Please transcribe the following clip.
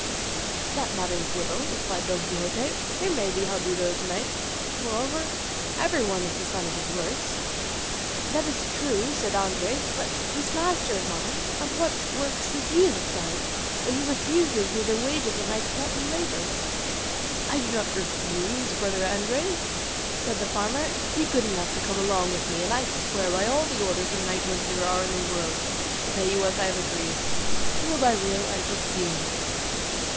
"That matters little," replied Don Quixote; "there may be Haldudos knights; moreover, everyone is the son of his works." "That is true," said Andres; "but this master of mine of what works is he the son, when he refuses me the wages of my sweat and labour?" "I do not refuse, brother Andres," said the farmer, "be good enough to come along with me, and I swear by all the orders of knighthood there are in the world to pay you as I have agreed, real by real, and perfumed."